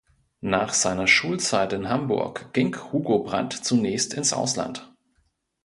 Nach seiner Schulzeit in Hamburg ging Hugo Brandt zunächst ins Ausland.